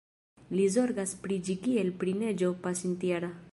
Li zorgas pri ĝi kiel pri neĝo pasintjara.